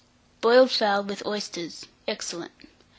BOILED FOWL, with Oysters. (Excellent.)